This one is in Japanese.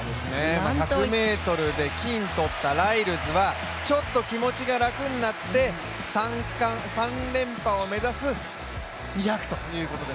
１００ｍで金取ったライルズはちょっと気持ちが楽になって３連覇を目指す２００ということです。